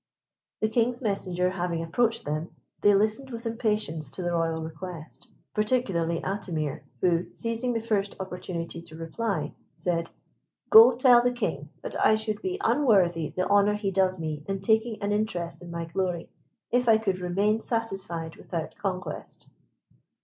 The King's messenger having approached them, they listened with impatience to the royal request, particularly Atimir, who, seizing the first opportunity to reply, said, "Go, tell the King that I should be unworthy the honour he does me in taking an interest in my glory, if I could remain satisfied without conquest."